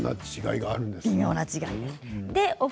微妙な違いがあるんですね。